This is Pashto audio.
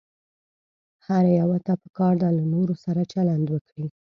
هر يوه ته پکار ده له نورو سره چلند وکړي.